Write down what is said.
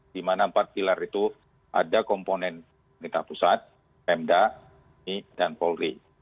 dimana empat pilar itu ada komponen merintah pusat pemda ni dan polri